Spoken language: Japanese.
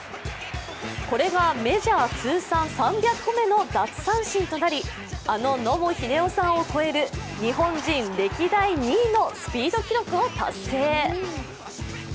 これがメジャー通算３００回目の奪三振となり、あの野茂英雄さんを超える日本人歴代２位のスピード記録を達成。